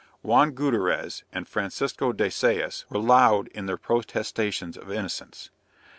Juan Gutterez and Francisco de Sayas were loud in their protestations of innocence.